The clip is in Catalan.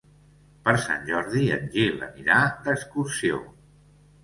Per Sant Jordi en Gil anirà d'excursió.